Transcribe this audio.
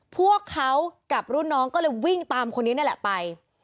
พวกเขากับรุ่นน้องก็เลยวิ่งตามคนนี้นั่นแหละไป